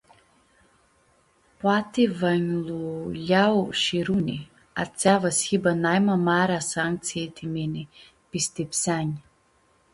Poati va nj-lu ljea shi Runi, atsea va s-hibã naima marea sanctsii ti mini, pistipsea-nj.